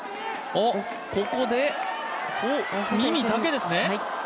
ここで、ホ・ミミだけですね。